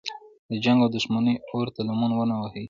د جنګ او دښمنۍ اور ته لمن ونه وهي.